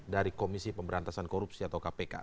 dari komisi pemberantasan korupsi atau kpk